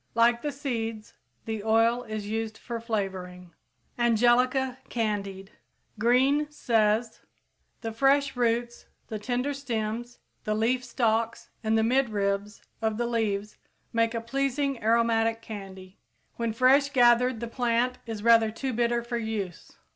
Like the seeds, the oil is used for flavoring. Angelica candied. Green says: The fresh roots, the tender stems, the leaf stalks and the midribs of the leaves make a pleasing aromatic candy. When fresh gathered the plant is rather too bitter for use.